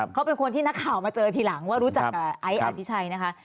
เขาเป็นคนที่นักข่าวมาเจอทีหลังว่ารู้จักกับไอซ์อภิชัยนะคะ